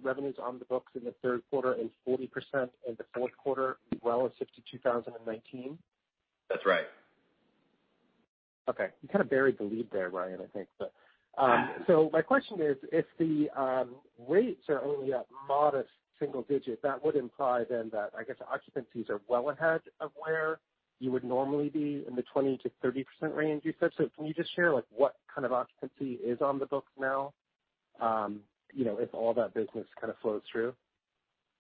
revenues on the books in the third quarter and 40% in the fourth quarter, well as since 2019? That's right. Okay. You kind of buried the lead there, Ryan, I think. My question is, if the rates are only up modest single digit, that would imply then that I guess occupancies are well ahead of where you would normally be in the 20%-30% range, you said. Can you just share what kind of occupancy is on the books now if all that business kind of flows through?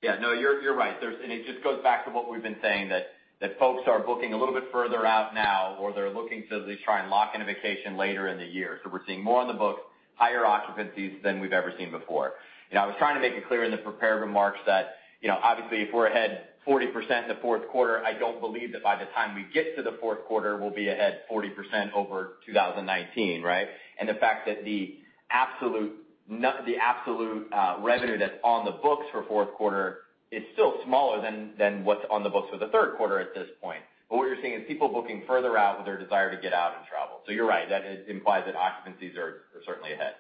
Yeah. No, you're right. It just goes back to what we've been saying, that folks are booking a little bit further out now, or they're looking to at least try and lock in a vacation later in the year. We're seeing more on the books, higher occupancies than we've ever seen before. I was trying to make it clear in the prepared remarks that obviously if we're ahead 40% in the fourth quarter, I don't believe that by the time we get to the fourth quarter, we'll be ahead 40% over 2019, right? The fact that the absolute revenue that's on the books for fourth quarter is still smaller than what's on the books for the third quarter at this point. What you're seeing is people booking further out with their desire to get out and travel. You're right, that implies that occupancies are certainly ahead.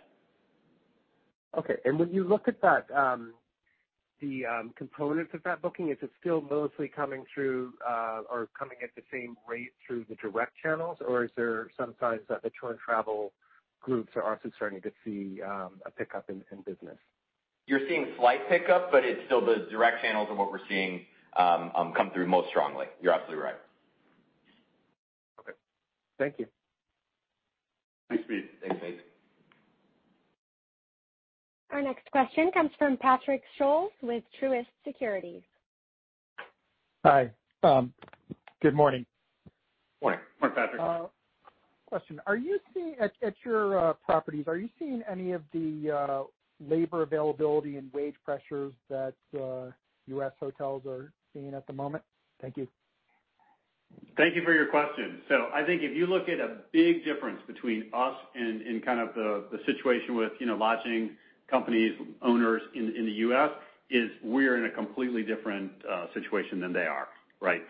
Okay. When you look at the components of that booking, is it still mostly coming through or coming at the same rate through the direct channels, or is there some signs that the tour and travel groups are also starting to see a pickup in business? You're seeing slight pickup, but it's still the direct channels are what we're seeing come through most strongly. You're absolutely right. Okay. Thank you. Thanks, Smedes. Thanks, Smedes. Our next question comes from Patrick Scholes with Truist Securities. Hi. Good morning. Morning, Patrick. Question. At your properties, are you seeing any of the labor availability and wage pressures that U.S. hotels are seeing at the moment? Thank you. Thank you for your question. I think if you look at a big difference between us and kind of the situation with lodging companies, owners in the U.S., is we're in a completely different situation than they are. Right?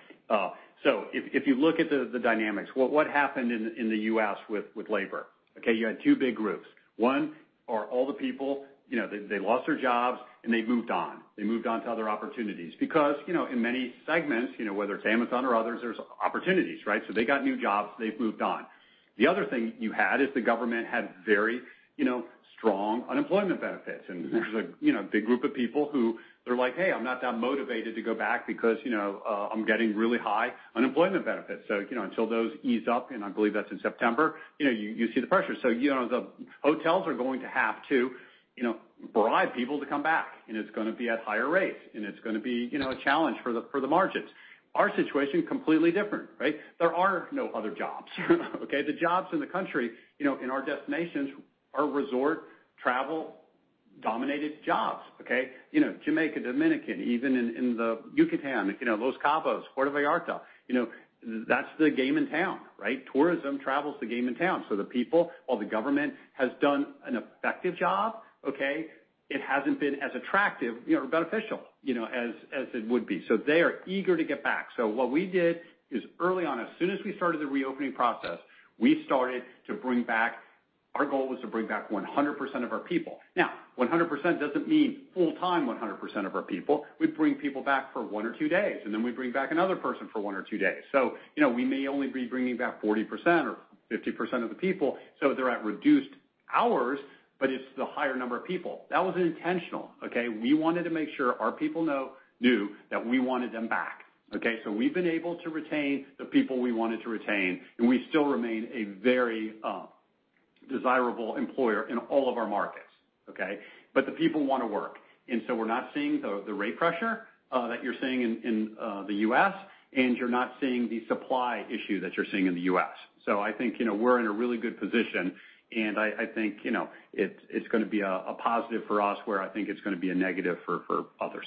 If you look at the dynamics, what happened in the U.S. with labor? Okay, you had two big groups. One are all the people, they lost their jobs and they moved on. They moved on to other opportunities because, in many segments, whether it's Amazon or others, there's opportunities, right? They got new jobs, they've moved on. The other thing you had is the government had very strong unemployment benefits, and there's a big group of people who, they're like, Hey, I'm not that motivated to go back because I'm getting really high unemployment benefits. Until those ease up, and I believe that's in September, you see the pressure. The hotels are going to have to bribe people to come back, and it's going to be at higher rates, and it's going to be a challenge for the margins. Our situation is completely different, right? There are no other jobs. Okay? The jobs in the country, in our destinations, are resort, travel-dominated jobs. Okay? Jamaica, Dominican, even in the Yucatan, Los Cabos, Puerto Vallarta. That's the game in town, right? Tourism travel's the game in town. The people, while the government has done an effective job, okay, it hasn't been as attractive, or beneficial as it would be. They are eager to get back. What we did is early on, as soon as we started the reopening process, our goal was to bring back 100% of our people. Now, 100% doesn't mean full-time 100% of our people. We'd bring people back for one or two days, and then we'd bring back another person for one or two days. We may only be bringing back 40% or 50% of the people. They're at reduced hours, but it's the higher number of people. That was intentional. Okay? We wanted to make sure our people knew that we wanted them back. Okay? We've been able to retain the people we wanted to retain, and we still remain a very desirable employer in all of our markets. Okay. The people want to work, and so we're not seeing the rate pressure that you're seeing in the U.S., and you're not seeing the supply issue that you're seeing in the U.S. I think we're in a really good position, and I think it's going to be a positive for us where I think it's going to be a negative for others.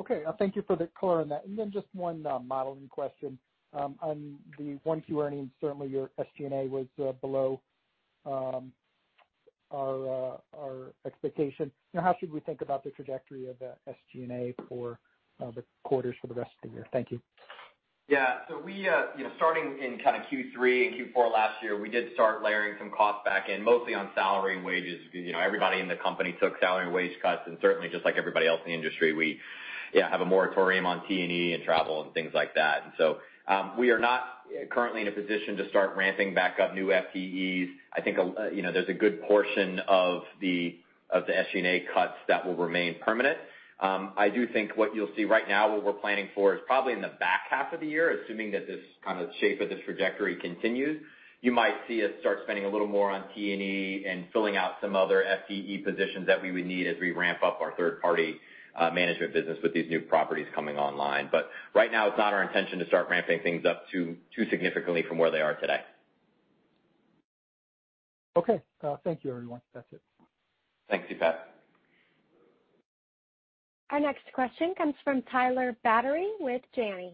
Okay. Thank you for the color on that. Just one modeling question. On the 1Q earnings, certainly your SG&A was below our expectation. How should we think about the trajectory of the SG&A for the quarters for the rest of the year? Thank you. Yeah. We, starting in kind of Q3 and Q4 last year, we did start layering some costs back in, mostly on salary and wages. Everybody in the company took salary and wage cuts. Certainly just like everybody else in the industry, we have a moratorium on T&E and travel and things like that. We are not currently in a position to start ramping back up new FTEs. I think there's a good portion of the SG&A cuts that will remain permanent. I do think what you'll see right now, what we're planning for is probably in the back half of the year, assuming that this kind of shape of this trajectory continues. You might see us start spending a little more on T&E and filling out some other FTE positions that we would need as we ramp up our third party management business with these new properties coming online. Right now it's not our intention to start ramping things up too significantly from where they are today. Okay. Thank you, everyone. That's it. Thanks, Pat. Our next question comes from Tyler Batory with Janney.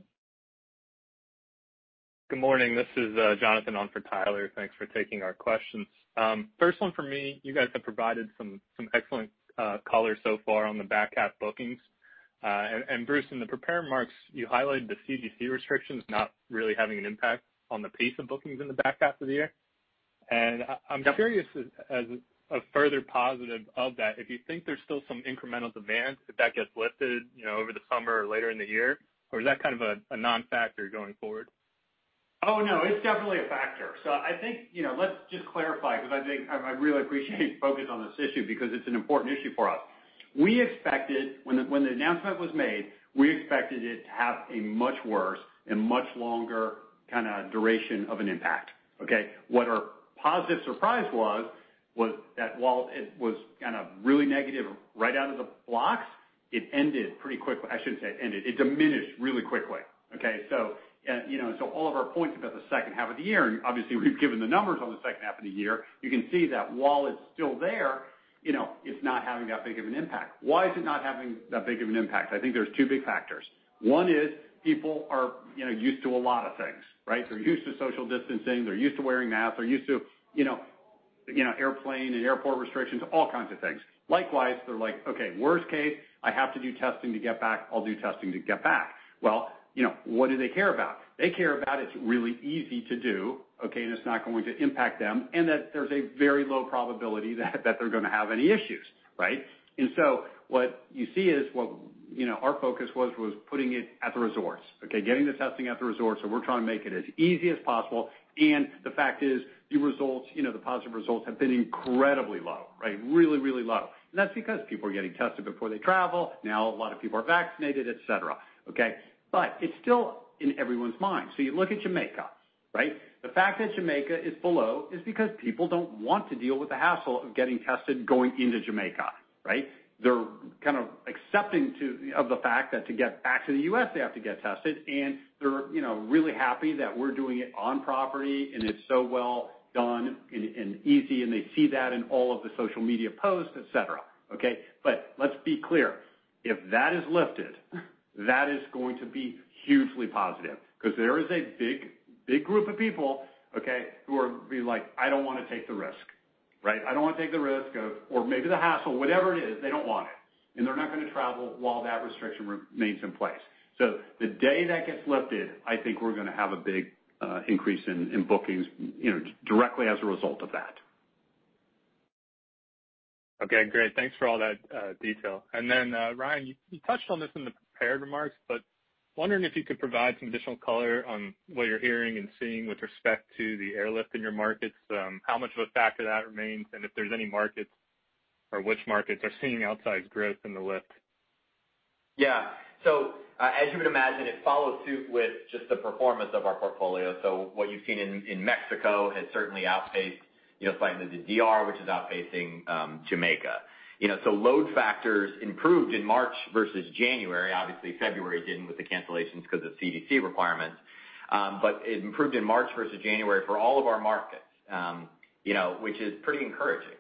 Good morning. This is Jonathan on for Tyler. Thanks for taking our questions. First one for me, you guys have provided some excellent color so far on the back half bookings. Bruce, in the prepared remarks, you highlighted the CDC restrictions not really having an impact on the pace of bookings in the back half of the year. I'm curious as a further positive of that, if you think there's still some incremental demand if that gets lifted over the summer or later in the year, or is that kind of a non-factor going forward? Oh no, it's definitely a factor. I think let's just clarify, because I really appreciate the focus on this issue because it's an important issue for us. When the announcement was made, we expected it to have a much worse and much longer kind of duration of an impact. Okay? What our positive surprise was that while it was kind of really negative right out of the blocks, it ended pretty quickly. I shouldn't say it ended. It diminished really quickly. Okay? All of our points about the second half of the year, and obviously we've given the numbers on the second half of the year, you can see that while it's still there, it's not having that big of an impact. Why is it not having that big of an impact? I think there's two big factors. One is people are used to a lot of things, right? They're used to social distancing. They're used to wearing masks. They're used to airplane and airport restrictions, all kinds of things. Likewise, they're like, Okay, worst case, I have to do testing to get back. I'll do testing to get back. What do they care about? They care about it's really easy to do, okay, and it's not going to impact them, and that there's a very low probability that they're going to have any issues, right? What you see is, our focus was putting it at the resorts. Okay? Getting the testing at the resorts. We're trying to make it as easy as possible. The fact is, the positive results have been incredibly low. Right? Really low. That's because people are getting tested before they travel. A lot of people are vaccinated, et cetera. Okay. It's still in everyone's mind. You look at Jamaica, right. The fact that Jamaica is below is because people don't want to deal with the hassle of getting tested going into Jamaica. Right. They're kind of accepting of the fact that to get back to the U.S. they have to get tested, and they're really happy that we're doing it on property, and it's so well done and easy, and they see that in all of the social media posts, et cetera. Okay. Let's be clear. If that is lifted, that is going to be hugely positive, because there is a big group of people, okay, who are going to be like, I don't want to take the risk. Right. I don't want to take the risk, or maybe the hassle, whatever it is, they don't want it. They're not going to travel while that restriction remains in place. The day that gets lifted, I think we're going to have a big increase in bookings directly as a result of that. Okay, great. Thanks for all that detail. Ryan, you touched on this in the prepared remarks, but wondering if you could provide some additional color on what you're hearing and seeing with respect to the airlift in your markets, how much of a factor that remains, and if there's any markets or which markets are seeing outsized growth in the lift? Yeah. As you would imagine, it follows suit with just the performance of our portfolio. What you've seen in Mexico has certainly outpaced slightly the D.R., which is outpacing Jamaica. Load factors improved in March versus January. Obviously February didn't with the cancellations because of CDC requirements. It improved in March versus January for all of our markets, which is pretty encouraging.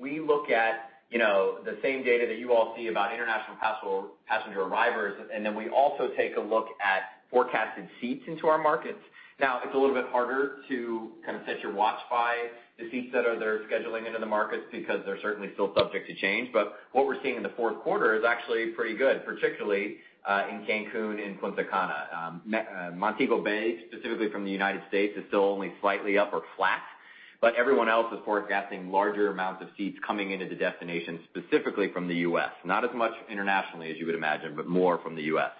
We look at the same data that you all see about international passenger arrivals, and then we also take a look at forecasted seats into our markets. Now, it's a little bit harder to kind of set your watch by the seats that are there scheduling into the markets because they're certainly still subject to change. What we're seeing in the fourth quarter is actually pretty good, particularly, in Cancun and Punta Cana. Montego Bay, specifically from the U.S., is still only slightly up or flat. Everyone else is forecasting larger amounts of seats coming into the destination, specifically from the U.S. Not as much internationally as you would imagine, but more from the U.S.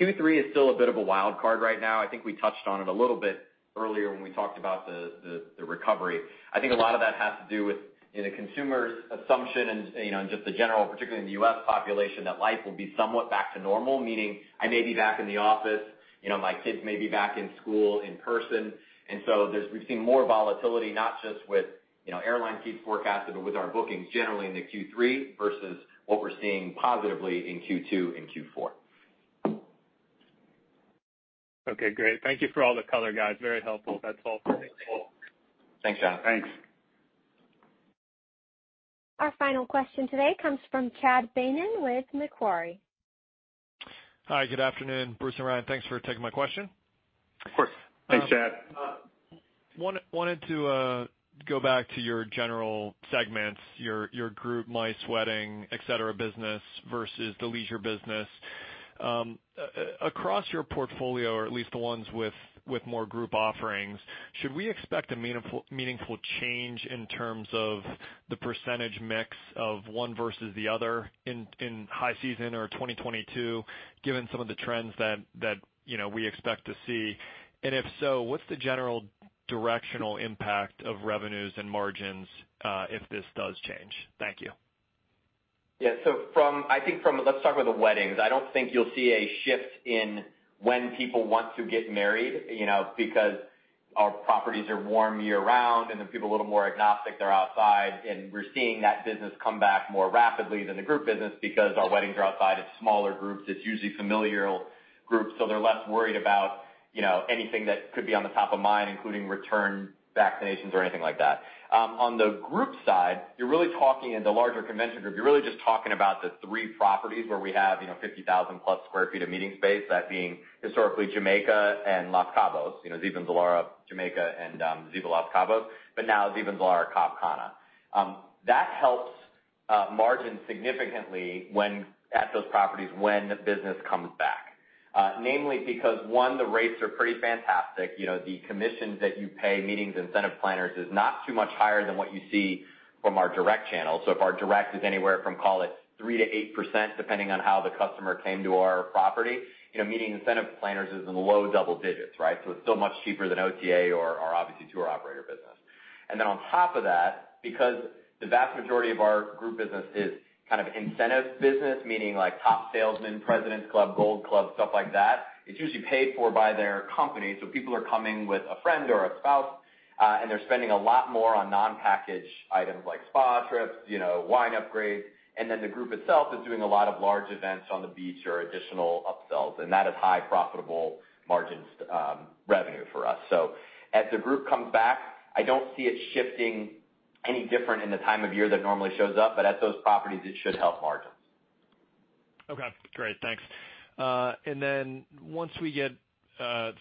Q3 is still a bit of a wild card right now. I think we touched on it a little bit earlier when we talked about the recovery. I think a lot of that has to do with, in a consumer's assumption and just the general, particularly in the U.S. population, that life will be somewhat back to normal. Meaning I may be back in the office, my kids may be back in school in person. We've seen more volatility, not just with airline seat forecasts, but with our bookings generally into Q3 versus what we're seeing positively in Q2 and Q4. Okay, great. Thank you for all the color, guys. Very helpful. That's all for me. Thanks. Cool. Thanks, Jonathan. Thanks. Our final question today comes from Chad Beynon with Macquarie. Hi, good afternoon, Bruce and Ryan. Thanks for taking my question. Of course. Thanks, Chad. wanted to go back to your general segments, your group MICE wedding, et cetera, business versus the leisure business. Across your portfolio, or at least the ones with more group offerings, should we expect a meaningful change in terms of the percentage mix of one versus the other in high season or 2022, given some of the trends that we expect to see? If so, what's the general directional impact of revenues and margins, if this does change? Thank you. Let's talk about the weddings. I don't think you'll see a shift in when people want to get married, because our properties are warm year-round, then people are a little more agnostic, they're outside, and we're seeing that business come back more rapidly than the group business because our weddings are outside, it's smaller groups, it's usually familial groups, so they're less worried about anything that could be on the top of mind, including return vaccinations or anything like that. On the group side, you're really talking in the larger convention group, you're really just talking about the three properties where we have 50,000 plus square feet of meeting space, that being historically Hyatt Zilara Jamaica and Hyatt Ziva Los Cabos. Now Hyatt Zilara Cap Cana. That helps margins significantly at those properties when the business comes back. Namely because one, the rates are pretty fantastic. The commissions that you pay meetings incentive planners is not too much higher than what you see from our direct channel. If our direct is anywhere from, call it 3%-8%, depending on how the customer came to our property, meeting incentive planners is in the low double-digits, right? It's still much cheaper than OTA or obviously tour operator business. On top of that, because the vast majority of our group business is kind of incentive business, meaning like top salesmen, Presidents Club, Gold Club, stuff like that. It's usually paid for by their company, so people are coming with a friend or a spouse, and they're spending a lot more on non-packaged items like spa trips, wine upgrades, and then the group itself is doing a lot of large events on the beach or additional upsells, and that is high profitable margins revenue for us. As the group comes back, I don't see it shifting any different in the time of year that normally shows up, but at those properties, it should help margins. Okay, great. Thanks. Once we get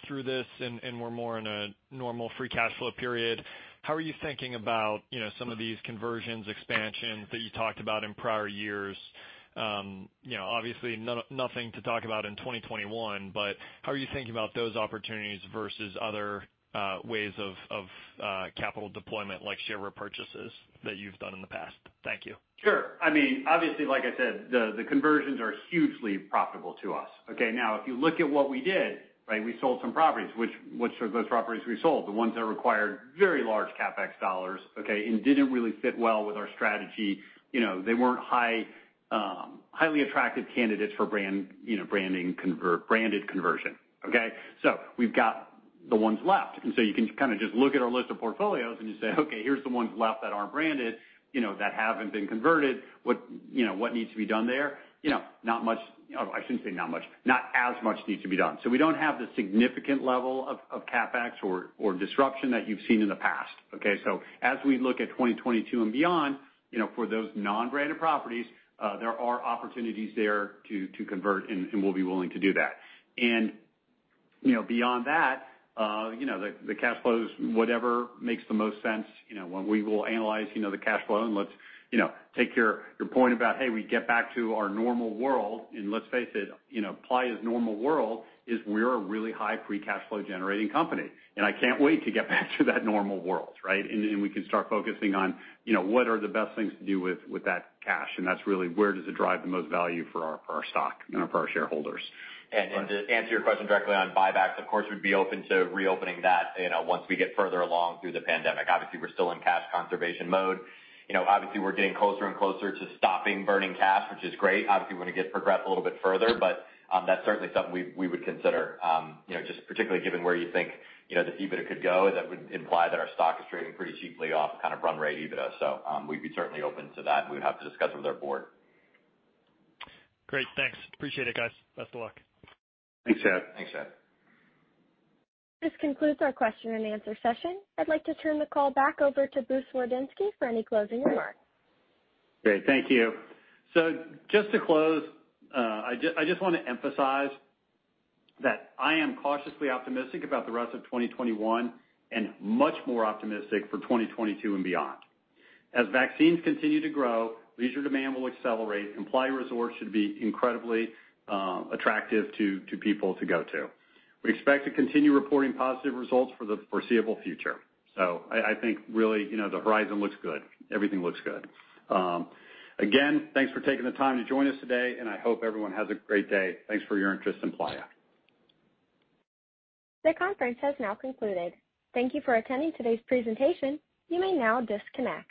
through this and we're more in a normal free cash flow period, how are you thinking about some of these conversions, expansions that you talked about in prior years? Obviously nothing to talk about in 2021. How are you thinking about those opportunities versus other ways of capital deployment, like share repurchases that you've done in the past? Thank you. Sure. Obviously, like I said, the conversions are hugely profitable to us. Okay. If you look at what we did, we sold some properties. Which are those properties we sold? The ones that required very large CapEx dollars, okay, and didn't really fit well with our strategy. They weren't highly attractive candidates for branded conversion. Okay. We've got the ones left. You can just look at our list of portfolios and just say, okay, here's the ones left that aren't branded, that haven't been converted. What needs to be done there? Not much. I shouldn't say not much, not as much needs to be done. We don't have the significant level of CapEx or disruption that you've seen in the past. Okay. As we look at 2022 and beyond, for those non-branded properties, there are opportunities there to convert, and we'll be willing to do that. Beyond that, the cash flows, whatever makes the most sense. When we will analyze the cash flow, and let's take your point about, hey, we get back to our normal world, and let's face it, Playa's normal world is we're a really high free cash flow generating company, and I can't wait to get back to that normal world, right? We can start focusing on what are the best things to do with that cash. That's really where does it drive the most value for our stock and for our shareholders. To answer your question directly on buybacks, of course, we'd be open to reopening that once we get further along through the pandemic. Obviously, we're still in cash conservation mode. Obviously, we're getting closer and closer to stopping burning cash, which is great. Obviously, we want to get progress a little bit further, but that's certainly something we would consider, just particularly given where you think the EBITDA could go. That would imply that our stock is trading pretty cheaply off kind of run rate EBITDA. We'd be certainly open to that, and we would have to discuss it with our board. Great, thanks. Appreciate it, guys. Best of luck. Thanks, Chad. Thanks, Chad. This concludes our question and answer session. I'd like to turn the call back over to Bruce Wardinski for any closing remarks. Great. Thank you. Just to close, I just want to emphasize that I am cautiously optimistic about the rest of 2021 and much more optimistic for 2022 and beyond. As vaccines continue to grow, leisure demand will accelerate, and Playa Resorts should be incredibly attractive to people to go to. We expect to continue reporting positive results for the foreseeable future. I think really, the horizon looks good. Everything looks good. Again, thanks for taking the time to join us today, and I hope everyone has a great day. Thanks for your interest in Playa. The conference has now concluded. Thank you for attending today's presentation. You may now disconnect.